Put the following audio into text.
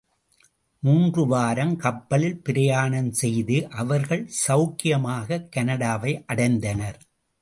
மூன்று வாரம் கப்பலில் பிரயாணம் செய்து அவர்கள் செளக்கியமாகக் கனடாவையடைந்தனர்.